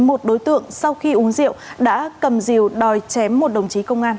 một đối tượng sau khi uống rượu đã cầm diều đòi chém một đồng chí công an